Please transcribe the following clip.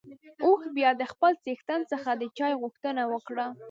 اوښ بيا د خپل څښتن څخه د چای غوښتنه وکړه.